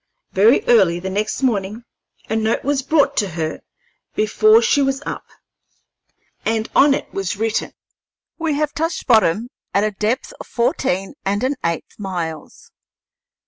Very early the next morning a note was brought to her before she was up, and on it was written: "We have touched bottom at a depth of fourteen and an eighth miles."